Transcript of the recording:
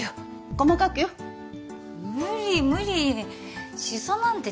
細かくよ無理無理しそなんて